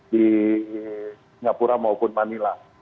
di singapura maupun manila